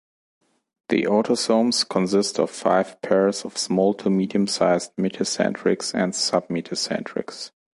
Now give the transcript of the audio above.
The autosomes consist of five pairs of small to medium-sized metacentrics and submetacentrics.